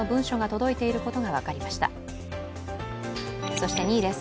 そして第３位です。